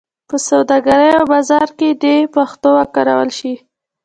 په سوداګرۍ او بازار کې دې پښتو وکارول شي.